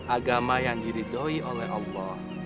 agama yang diridoi oleh allah